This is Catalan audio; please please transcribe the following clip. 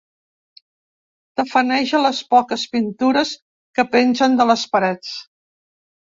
Tafaneja les poques pintures que pengen de les parets.